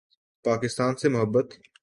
پاکستان سے محبت